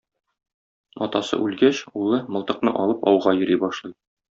Атасы үлгәч, улы, мылтыкны алып, ауга йөри башлый.